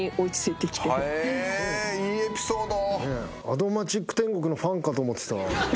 『アド街ック天国』のファンかと思ってた。